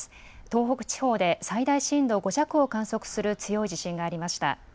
東北地方で最大震度５弱を観測する強い地震がありました。